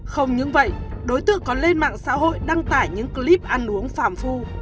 không những vậy đối tượng còn lên mạng xã hội đăng tải những clip ăn uống phạm phu